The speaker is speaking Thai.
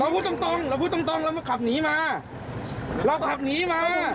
พูดตรงตรงเราพูดตรงตรงเรามาขับหนีมาเราก็ขับหนีมา